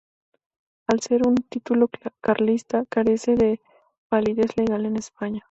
Al ser un título carlista, carece de validez legal en España.